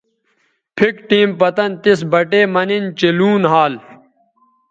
پِھک ٹیم پتَن تِس بٹے مہ نِن چہء لوں نھال